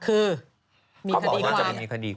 คือมีคดีความ